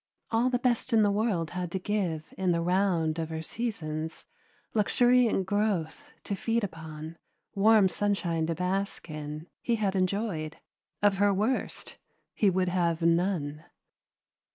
All the best the world had to give in the round of her seasons, luxuriant growth to feed upon, warm sunshine to bask in, he had enjoyed; of her worst, he would have none.